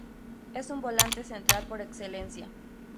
Es un volante central por excelencia.